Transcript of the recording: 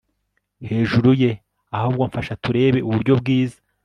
hejuru ye ahubwo mfasha turebe uburyo bwiza